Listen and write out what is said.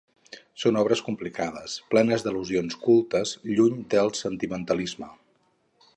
Són obres complicades, plenes d'al·lusions cultes, lluny del sentimentalisme.